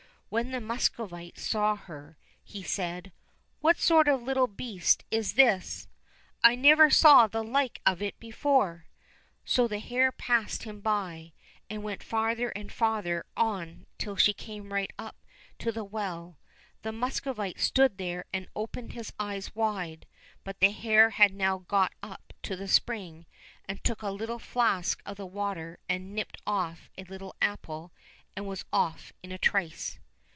When the Muscovite saw her he said, *' What sort of a little beast is this ? I never saw the like of it before !" So the hare passed him by, and went farther and farther on till she came right up to the well. The Muscovite stood there and opened his eyes wide, but the hare had now got up to the spring, and took a little flask of the water and nipped off a little apple, and was off in a trice.